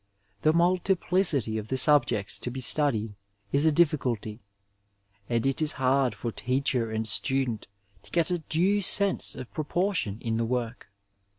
The multiplicity of the subjects to be studied is a difficulty, and it is hard for teacher and student to get a due s^ise of proportion m the work.